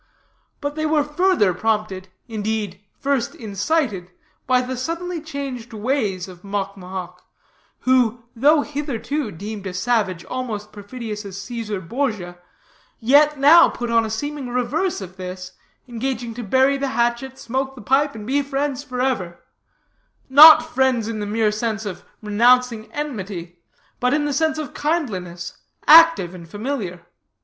But they were further prompted, indeed, first incited, by the suddenly changed ways of Mocmohoc, who, though hitherto deemed a savage almost perfidious as Caesar Borgia, yet now put on a seeming the reverse of this, engaging to bury the hatchet, smoke the pipe, and be friends forever; not friends in the mere sense of renouncing enmity, but in the sense of kindliness, active and familiar.